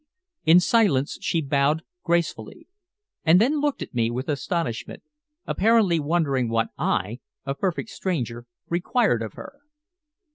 In silence she bowed gracefully, and then looked at me with astonishment, apparently wondering what I, a perfect stranger, required of her.